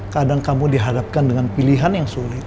kadang kamu dihadapkan dengan pilihan yang sulit